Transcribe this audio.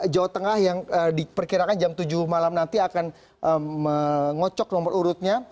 jawa tengah yang diperkirakan jam tujuh malam nanti akan mengocok nomor urutnya